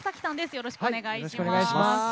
よろしくお願いします。